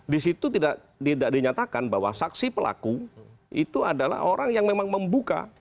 di situ tidak dinyatakan bahwa saksi pelaku itu adalah orang yang memang membuka